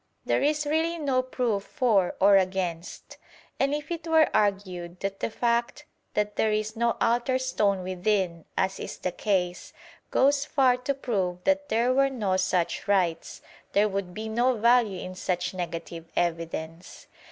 There is really no proof for or against. And if it were argued that the fact that there is no altar stone within, as is the case, goes far to prove that there were no such rites, there would be no value in such negative evidence.